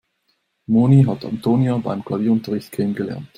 Moni hat Antonia beim Klavierunterricht kennengelernt.